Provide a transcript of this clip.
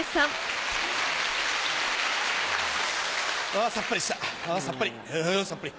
あさっぱりしたあさっぱりあさっぱり。